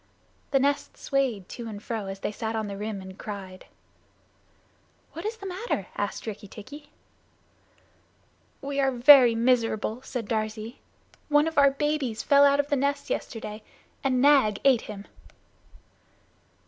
The nest swayed to and fro, as they sat on the rim and cried. "What is the matter?" asked Rikki tikki. "We are very miserable," said Darzee. "One of our babies fell out of the nest yesterday and Nag ate him."